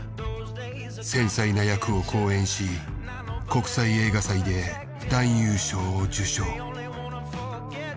繊細な役を好演し国際映画祭で男優賞を受賞。